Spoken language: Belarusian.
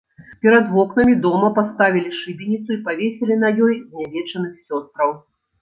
Перад вокнамі дома паставілі шыбеніцу і павесілі на ёй знявечаных сёстраў.